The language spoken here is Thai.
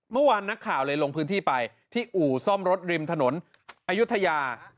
เมื่อวานนักข่าวเลยลงพื้นที่ไปที่อู่ซ่อมรถริมถนนอายุทยา